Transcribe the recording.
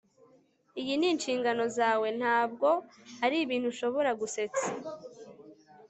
iyi ni inshingano zawe. ntabwo ari ibintu ushobora gusetsa